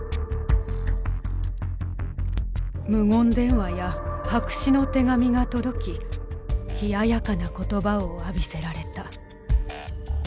「無言電話や白紙の手紙が届き冷ややかな言葉を浴びせられた」。